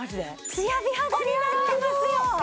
つや美肌になってますよ！